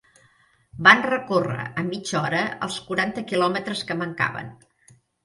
Van recórrer en mitja hora els quaranta quilòmetres que mancaven.